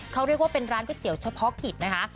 เขาเรียกว่าเป็นร้านก๋วยเตี๋ยวเฉพาะกิจนะคะ